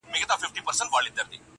• زه هم دا ستا له لاسه.